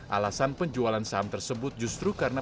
alasan penjualan saham tersebut justru karena